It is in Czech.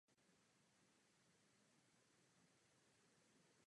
V témže roce vybojoval stříbrnou medaili na evropském šampionátu v Barceloně.